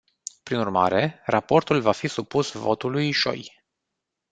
Prin urmare, raportul va fi supus votului joi.